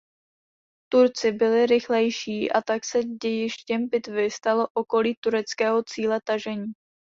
Turci byli rychlejší a tak se dějištěm bitvy stalo okolí tureckého cíle tažení.